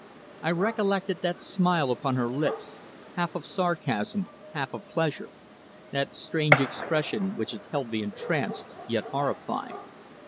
I recollected that smile upon her lips, half of sarcasm, half of pleasure; that strange expression which had held me entranced yet horrified.